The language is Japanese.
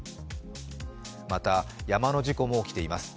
また、山の事故も起きています。